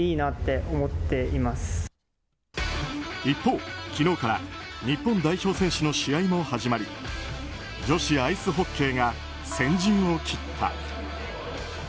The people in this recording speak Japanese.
一方、昨日から日本代表選手の試合も始まり女子アイスホッケーが先陣を切った。